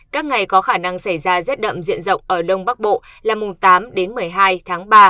các ngày có khả năng xảy ra rét đậm diện rộng ở đông bắc bộ là mùng tám đến một mươi hai tháng ba